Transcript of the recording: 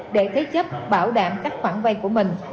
để thế chấp bảo đảm các khoản vay của mình